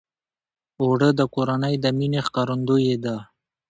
اوړه د کورنۍ د مینې ښکارندویي ده